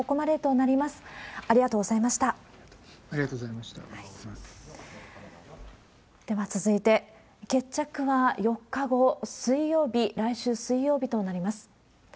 では続いて、決着は４日後、水曜日、来週水曜日となります。